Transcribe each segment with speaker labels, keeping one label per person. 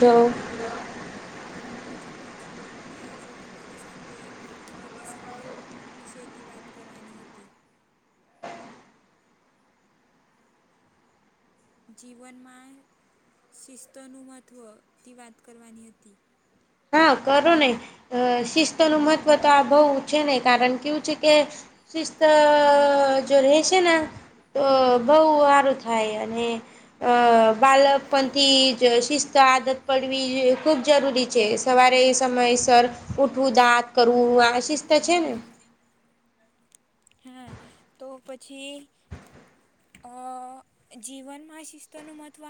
Speaker 1: તો
Speaker 2: હા હું મજામાં છું મને આજે તમારી સાથે અ ડિસિપ્લિન વિષેથી વાત કરવાની હતી જીવનમાં શિસ્તનું મહત્ત્વ વાત કરવાની હતી.
Speaker 1: હા કરો ને શિસ્તો નું મહત્વ
Speaker 2: હમ,
Speaker 1: તો આ બહું છે નહી કારણ કેવું છે કે શિસ્ત છે ને તો બહુ સારું થાય અને અ બાલકપંથી શિસ્ત આદત પાડવી ખૂબ જરૂરી છે. સવારે એ સમયસર ઉઠવું દાંત કરવું આ શિસ્ત છે ને
Speaker 2: હા તો પછી અ અ જીવનમાં શિસ્તોનું મહત્ત્વ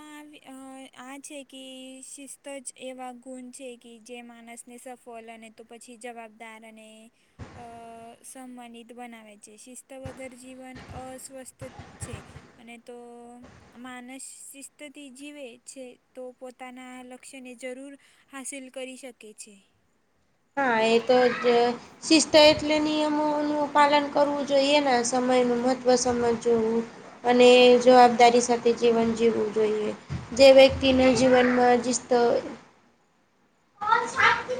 Speaker 2: આ છે કે શિસ્ત ત જ એવા ગુણ છે કે જે માણસને સફળ અને તો પછી જવાબદાર અને અ સંમાનિત બનાવા છે શિસ્ત વગર જીવન અસ્વસ્થ છે અને તો માનસિસ્થતિ જીવે છે તો પોતાના લક્ષ્યને જરૂર હાસિલ કરી શકે છે.
Speaker 1: હા એ તો જ શિસ્ત એટલે નિયમ અ પાલન કરવું જોઈએ સમયનું મહત્ત્વ સમજવુ જોએ. અને જવાબદારી સાથે જીવન જીવવું જોઈએ. જે
Speaker 2: હા
Speaker 1: વ્યક્તિને જીવનમાં જસ્તો
Speaker 2: હા તો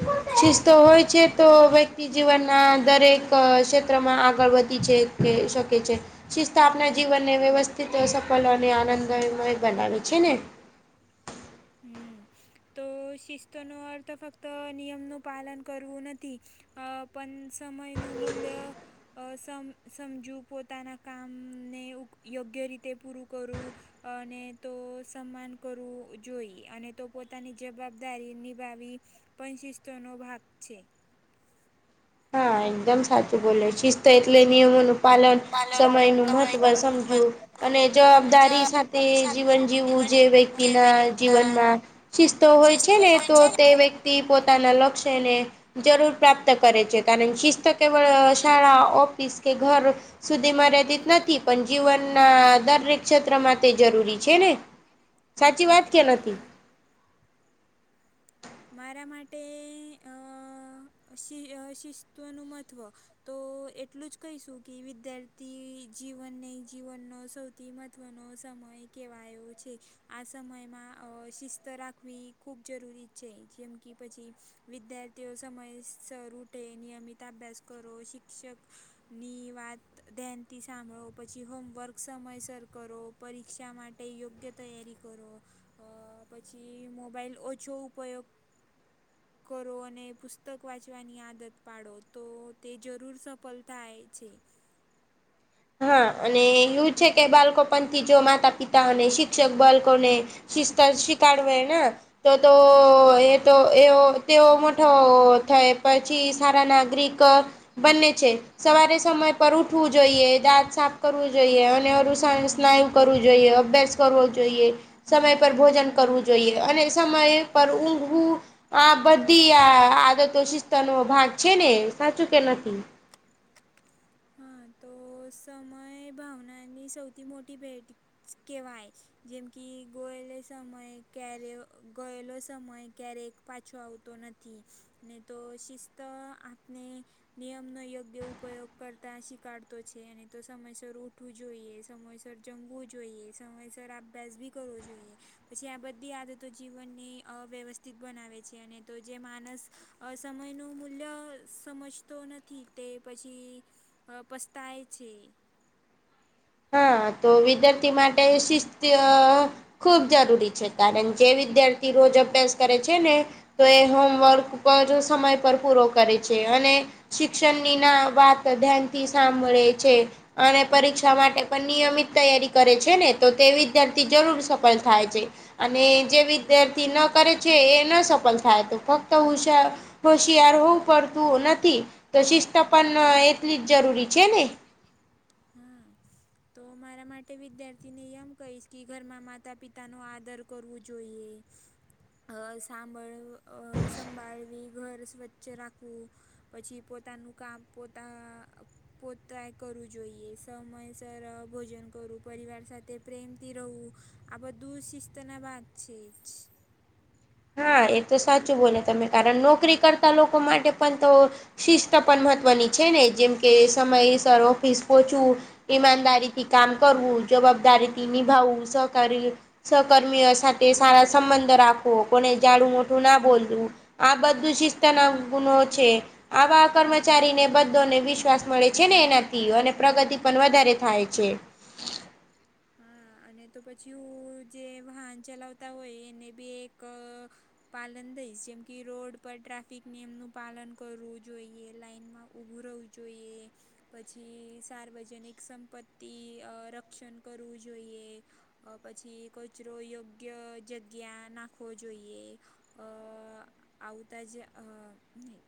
Speaker 1: શિસ્ત
Speaker 2: પછી
Speaker 1: હોય છે તો વ્યક્તિ જીવનના દરેક ક્ષેત્રમાં આગળ વધી છે કે શકે છે. શિસ્તા આપણા જીવનને વ્યવસ્થિત સફળ અને આનંદમય બનાવે છે ને.
Speaker 2: હમ્મ તો શિસ્તો નો અર્થ ફક્ત નિયમ નું પાલન કરવું નથી. અ પણ સમયનું મૂલ્ય સમ સમજું પોતાના કામને યોગ્ય રીતે પૂરું કરવું. અને તો સમાન કરું જોઈએ અને તો પોતાની જવાબદારી નિભાવી પણ શિસ્તોનો ભાગ છે.
Speaker 1: હા એકદમ સાચું બોલે શિસ્ત એટલે નિયમોનું પાલન સમય ન મહત્વ તો ભ સમજું. અને જવાબદારી સાથે જીવન જીવવું જે વ્યક્તિના જીવનમાં શિસ્તો હોય
Speaker 2: શિસ્ત
Speaker 1: છે ને
Speaker 2: હોય
Speaker 1: તો
Speaker 2: છે
Speaker 1: તે વ્યક્તિ પોતાના લક્ષ્યને જરૂર પ્રાપ્ત કરે છે. કારણે કે શિસ્ત કેવળ શાળા ઓફિસ કે ઘર સુધીમાં ર નથી પણ જીવનના દરેક ક્ષેત્રમાં તે જરૂરી છે ને. સાચી
Speaker 2: હા
Speaker 1: વાત કેલા હતી.
Speaker 2: મારા માટે અ શિસ્તવનું મહત્ત્વ તો એટલું જ કહીશું કે વિદ્યાર્થી જીવન ન જીવનનો સૌથી તત્વનો સમય કહેવાયો છે. આ સમયમાં અ શિસ્ત રાખવી ખૂબ જરૂરી છે જેમ કે પછી વિદ્યાર્થીઓ સમયસર ઉઠે નિયમિત અભ્યાસ કરો શિક્ષક ની વાત ધ્યાન થી સાંભળો પછી હોમવર્ક સમયસર કરો. પરીક્ષા માટે યોગ્ય તૈયારી કરો પછી મોબાઈલ ઓછો ઉપયોગ કરો અને પુસ્તક વાંચવાની આદત પાડો તો તે જરૂર સફળ થાય છે
Speaker 1: હા અને એવું છે કે બાળકો પણથી જો માતા પિતા અને શિક્ષક બાળકોને શિસ્ત શી કાઢવાયના. [unintelligible] તો તો એ તો એવ તેવ મોટો થાય પછી સારા નાગરિક તો બને છે સવારે સમય પર ઉઠવું જોઈએ. દાંત સાફ કરવું જોઈએ અને અર સ્નાયુ કરવું જોઈએ, અભ્યાસ કરવો જોઈએ. સમય પર ભોજન કરવું જોઈએ અને સમય પર ઊઘવું આ બધી આ આદતો શિસ્ત નો ભાગ છે ને સાચું કે નથી
Speaker 2: હા તો સમય ભાવનાની સૌથી મોટી ભેટ કહેવાય જેમ કે ગોયેલો સમય ક્યારે ગયેલો સમય ક્યારેક પાછો આવતો નથી ને તો શિસ્ત આપને નિયમનોો યોગ્ય ઉપયોગ કરતાં શીકારડતો છે અને તો સમયસર ઉઠવું જોઈએ સમયસર જમવું જોઈએ સમયસર આપ પ્રેસ ભી કરવો જોઈએ પછી આ બધી આદતો જીવનને અવ્યવસ્થિત બનાવે છે અને તો જે માણસ અ સમય નું મૂલ્ય સમજતો નથી તે પછી હ પસ્તાય છે
Speaker 1: હા તો વિદ્યાર્થી માટે શિસ્ત ખૂબ જરૂરી છે કારણ જે વિદ્યાર્થી રોજ અભ્યાસ કરે છે ને તો એ હોમવર્ક પર જો સમય પર પૂરો કરે છે અને શિક્ષણની ના વાત ધ્યાનથી સાંભળે છે અને પરીક્ષા શ્ા માટે પણ નિયમિત તૈયારી કરે છે ને તો તે વિદ્યાર્થી જરૂર સફળ થાય છે અને જે વિદ્યાર્થી ન કરે છે એ ન સફળ થાય તો ફક્ત ઉષા હોશિયાર હોવું પડતું નથી તો શિસ્ત પણ એટલી જ જરૂરી છે ને
Speaker 2: હા તો મારા માટે વિદ્યાર્થી ને એમ કહીશ કે ઘરમાં માતા પિતા નો આદર કરવું જોઈએ અ સાંભળ સંભાળવી ઘર સ્વચ્છ રાખવું પછી પોતાનું કામ પોતા પોતા એ કરું જોઈએ સમયસર ભોજન કરું પરિવાર સાથે પ્રેમથી રહવું આ દૂધ શીષ તોને વા છે જ
Speaker 1: હા એ તો સાચું બોલે તમે કારણ નોકરી કરતા લોકો માટે પણ તો શિસ્ત પણ મહત્વની છે ને જેમકે સમયસર ઓફિસ પહચવું ઈમાનદારીથી કામ કરવું જવાબદારીથી નિભાવું સહકારી સહકર્મીઓ સાથે સારા સંબંધો રાખવું કોને જાઝાડું મોઠું ના બોલવું આ બધું શિસ્તના ગુણ છે આવા કર્મચારીને બધોને વિશ્વાસ મળે છે ને એનાથી અને પ્રગતિ પણ વધારે થાય છે
Speaker 2: હા અને તો પછી જે વાહન ચલાવતા હોય એને બી એક પાલન દઈશ જેમ કે રોડ પર ટ્રાફિક નિયમનું પાલન કરવું જોઈએ લાઈનમાં ઉઊભું રહવું જો જોઈએ પછી સાર્વજનિક સંપત્તિ રક્ષણ કરવું જોઈએ પછી કચરો યોગ્ય જગ્યા નાખવો જોઈએ અ આવતા જે નહીં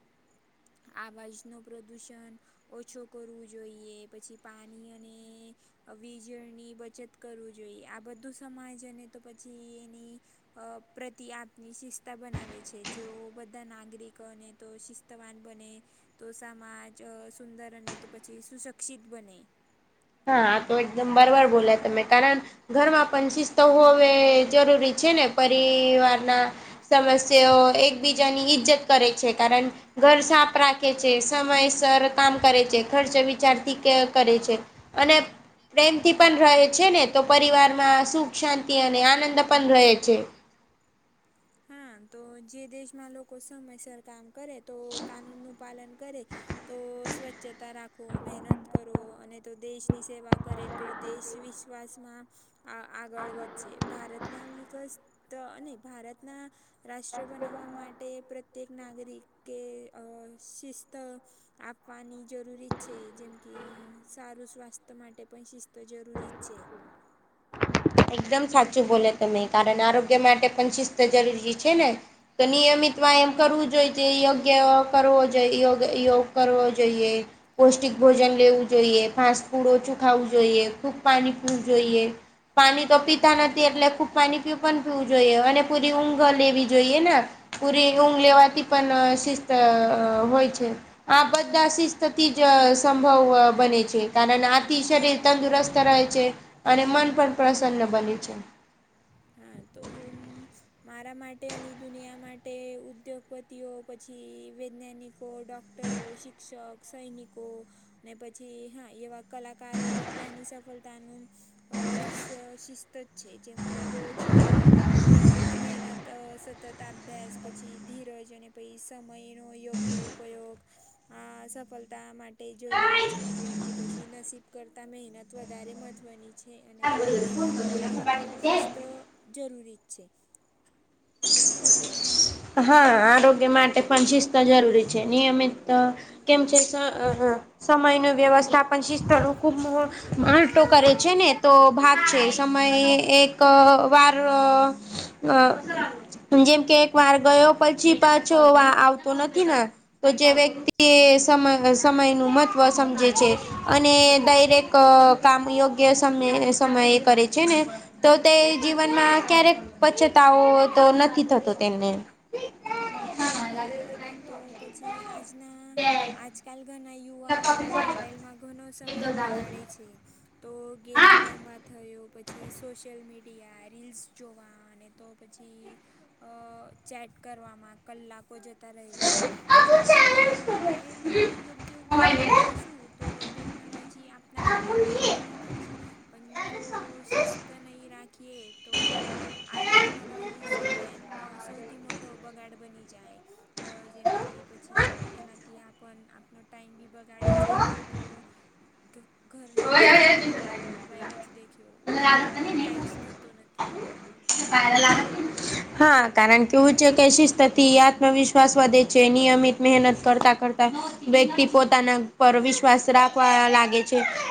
Speaker 2: આવાજનું પ્રદૂષણ ઓછો કરવું જોઈએ પછી પાણી અને વીજળની બચત કરવું જોઈએ આ બધું સમાજ અને તો પછી એની અ પ્રતિ આપની શિસ્તા બનાવે છે જે બધા નાગરિકોને તો વાન બને તો સમાજ સુંદર અને તો પછી સુશક્ષિત બને
Speaker 1: હા તો એકદમ બરવાર બોલ્યા તમે કારણ ઘરમાં પણ શિસ્ત હોવે જરૂરી છે ને પરિવારના સમસ્યાઓ એકબીજાની ઇજ્જત કરે છે કારણ ઘર સાફ રાખે છે સમય સર કામ કરે છે ખર્ચ વિચારથી કરે છે. અને પ્રેમથી પણ રહે છે ને તો પરિવારમાં સુખ શાંતિ અને આનંદ પણ રહે છે
Speaker 2: હા તો જે દેશમાં લોકો સમયસર કામ કરે તો કાનૂનનું પાલન કરે તો સ્વચ્છતા રાખો મહેનત કરો અને તો દેશની સેવા કરે તો દેશ વિશ્વાસમાં આ આગળ વધે ભારતના વિકસ્ અને ભારત ના રાષ્ટ્ર બનાવવા માટે પ્રત્યેક નાગરિક કે અ શિસ્ત આપવાની જરૂરી જ છે જેમ કે સારું સ્વાસ્થ્ય માટે પણ શિસ્ત જરૂરી જ છે.
Speaker 1: એકદમ સાચું બોલે તમે કારણ આરોગ્ય માટે પણ શિસ્ત જરૂરી છે ને. તો નિયમિત વા એમ કરવું જોઈએ યોગ્ય કરવો જોઈ યોગ યોગ કરવો જોઈએ. પૌષ્ટિક ભોજન લેવું જોઈએ ફાસ્ટ ફૂડ ઓછું ખાવુ જોઈએ ખુબ પાણી પીવું જોઈએ. પાણી તો પીતા નથી એટલે ખુબ પાણી પીું પણ પીવું જોઈએ અને પૂરી ઊંઘ લેવી જોઈએ ને પૂરી ઊંઘ લેવાથી પણ શિસ્ત હોય છે. આ બધા શિસ્તથી જ સંભવ બને છે કારણ આથી શરીર તંદુરસ્ત રહે છે અને મન પણ પ્રસન્ન બને છે.
Speaker 2: હા તો હું મારા માટે અને દુનિયા માટે ઉદ્યોગપતિઓ પછી વૈજ્ઞાનિક કો ડૉક્ટરો શિક્ષક સૈનિકો ને પછી હા એવા કલાકારો બધાની સફળતાનું અ રસ્ય શિસ્ત જ છે જેમ કે રોજ નિયમિત મહેનત સતત અભ્યાસ પછી ધીરજ અને પછી સમય નો યોગ્ય ઉપયોગ આ સફળતા માટે જરૂરી છે જેમ કે પછી નસીબ કરતા મહેનત વધારે મહત્વની છે અને તો મહેનત માટે શિસ્ત જરૂરી જ છે. [inaudible]
Speaker 1: હા આરોગ્ય માટે પણ શિસ્ત જરૂરી છે નિયમિત [unintelligible] સમય ન વ્યવસ્થાપન શિસ્ત ખુબ આલટો કરે છે ને તો ભાગ છે. સમયે એક વાર જેમ કે એક વાર ગયો પછી પાછો આવતો નથી ને તો જે વ્યક્તિ એ સમ સમય નું મહત્વ સમજે છે. અને દાયરેક કામ યોગ્ય સમયે કરે છે ને તો તે જીવનમાં ક્યારેક પછતાવો તો નથી થતો. તેને
Speaker 2: અને તો પછી આજના આજકાલ ઘણા યુવાઓને મોબાાઈલમાં ઘણો સમય બગાડે છે તો ગેમ રમવા થયો પછી સોશિયલ મીડિયા રીલ્સ જોવા અને તો પછી અ ચેટ કરવામાં કલાકો જતા છે જો આપણે મોબાઈલનો યોગ્ય ઉપયોગ કરીશું તો ટે ટેકનોલોજી આપણા માટે ઉપયોગી પણ છે પણ જો શિસ્ત નહીં રાખે કીએ તો આ ટેકનોલોજી સમયનો સૌથી મોટો બગાડ બની જાય. જેમ કે પછી એનાથી આપણ આપનો ટાઈમ બી બગાડે છે અને તો ઘરના બીય ઈમ કે કી મોબાઈલ જ દેખ્યો ઉપયોગ કંઈ જ થતો નથી એનો.
Speaker 1: હા કારણ કેવું છે કે શિસ્તથી આત્મવિશ્વાસ વધે છે નિયમિત મહેનત કરતા કરતા વ્યક્તિ પોતાના પર વિશ્વાસ રાખવા લાગે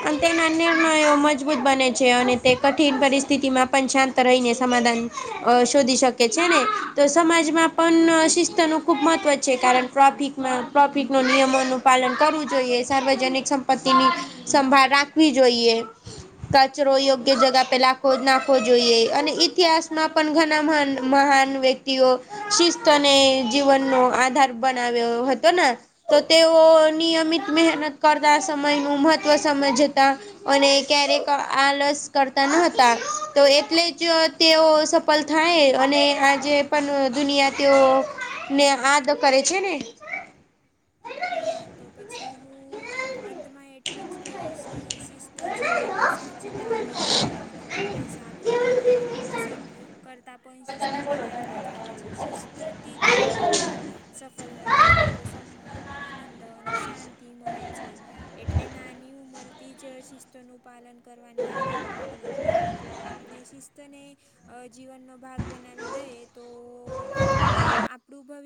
Speaker 1: અને તેના નિર્ણયો મજબૂત બને છે અને તે કઠિન પરિસ્થિતિમાં પણ શાંત રહીને સમાધાન શધ વધી શકે છે ને તો સમાજમાં પણ શિસ્ત નું ખુબ મહત્વ છે કારણ ટ્રાફિક ટ્રોફિકનું નિયમોનું પાલન કરવું જોઈએ સાર્વજનિક સંપત્તિની સંભાળ રાખવી જોઈએ. કચરો યોગ્ય જગા પેલા ખો નાખવો જોઈએ અને ઇતિહાસમાં પણ ઘણા મહાન મહાન વ્યક્તિઓ શિસ્તને જીવનનો આધાર બનાવ્યો હતો ને તો તેઓ નિયમિત મહેનત કરતા સમયનું મહત્વ સમયજતા. અને ક્યારેક આલસ કરતા ન હતા તો એટલે જ તેઓ સફળ થાય અને આજે પણ દુનિયા તેઓ ને આ તો કરે છે ને.
Speaker 2: હા તો પછી હું અંતમાં એટલું જ કહીશ કે શિસ્ત જીવનની સાચી તાકાત છે અને તો પૈસા પ્રતિભા અને તો નસીબ કરતા પણ શિસ્ત વધારે મહત્વની છે શિસ્તથી જ
Speaker 1: અને
Speaker 2: જીવનમાં સફળતા અને તો સન્માન, આનંદ અને શાંતિ મળે છે એટલે નાની ઉંમરથી જ શિસ્તોનું પાલન કરવાની આદત પાડવી જોઈએ જો આપને શિસ્તને જીવનનો ભાગ બનાવી દઈ તો આપણું ભવિ